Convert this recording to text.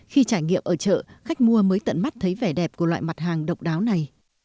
khi trải nghiệm ở chợ khách mua mới tận mắt thấy vẻ đẹp của loại mặt hàng độc đáo này